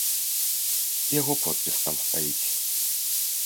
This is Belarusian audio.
Яго подпіс там стаіць.